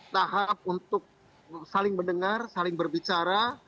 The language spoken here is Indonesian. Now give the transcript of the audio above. tahap untuk saling mendengar saling berbicara